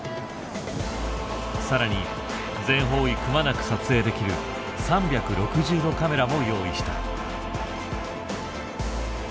更に全方位くまなく撮影できる３６０度カメラも用意した。